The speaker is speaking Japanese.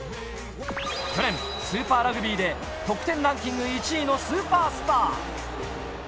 去年スーパーラグビーで得点ランキング１位のスーパースター。